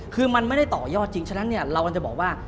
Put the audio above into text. คือมันไม่ได้ต่อยอดจริงฉะนั้นเนี่ยเรากำลังจะบอกว่า